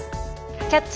「キャッチ！